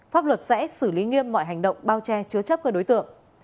pháp luật sẽ xử lý nghiêm mọi hành động bao che chứa chấp các đối tượng